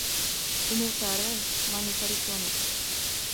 Умылтаре, — мане Харитонов.